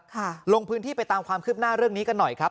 ลงพื้นที่ไปตามความคืบหน้าเรื่องนี้กันหน่อยครับ